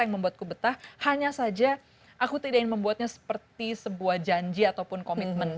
yang membuatku betah hanya saja aku tidak ingin membuatnya seperti sebuah janji ataupun komitmen